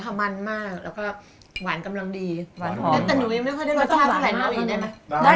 แต่หนูยังไม่เข้าในข้าวสาหร่ายหนูอีกได้มั้ย